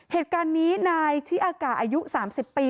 เหตุการณ์นี้นายชิอากาอายุ๓๐ปี